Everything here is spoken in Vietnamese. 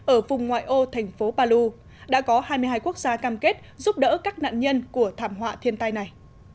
ở vùng ngoại ô thành phố palu đã có hai mươi hai quốc gia cam kết giúp đỡ các nạn nhân của thảm họa thiên tai này